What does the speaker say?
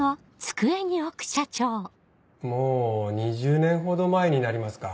もう２０年ほど前になりますか。